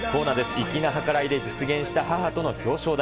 粋な計らいで実現した母との表彰台。